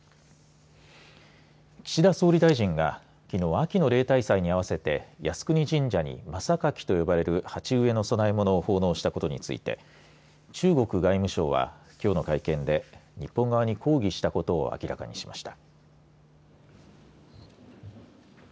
岸田総理大臣がきのう秋の例大祭に合わせて靖国神社に真榊と呼ばれる鉢植えの供え物を奉納したことについて中国外務省はきょうの会見で日本側に抗議したことを明らかにしました。